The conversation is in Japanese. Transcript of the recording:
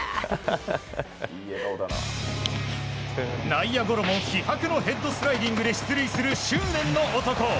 内野ゴロも気迫のヘッドスライディングで出塁する執念の男